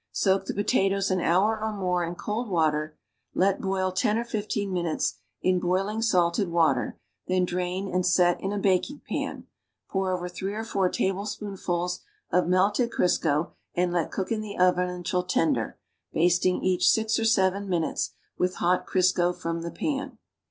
Soak the potatoes an hour or more in cold water, let boil ten or fifteen minutes in boiling salted water, then drain and set in a baking pan. pour over three or four tablespoonfuls of melte<l Crisco and let cook in the oven until tender, basting each six or seven minutes with hot Crisco from the pan.